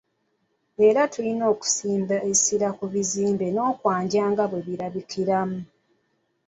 Era nga kusimba essira ku buzimbe n’enkwajja nga bwe birabikiramu.